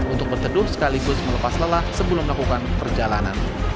untuk berteduh sekaligus melepas lelah sebelum melakukan perjalanan